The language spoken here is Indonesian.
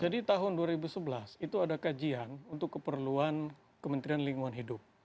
tahun dua ribu sebelas itu ada kajian untuk keperluan kementerian lingkungan hidup